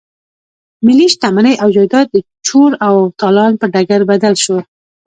ملي شتمني او جايداد د چور او تالان پر ډګر بدل شو.